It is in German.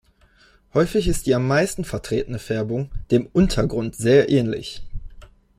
Häufig ist die am meisten vertretene Färbung dem Untergrund sehr ähnlich.